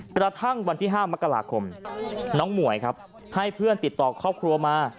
กระทั่งวันที่๕มกราคมน้องหมวยครับให้เพื่อนติดต่อครอบครัวมา